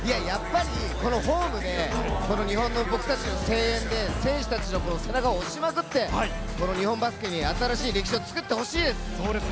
このホームで、日本の僕たちの声援で選手たちの背中を押しまくって、日本バスケに新しい歴史を作ってほしいです。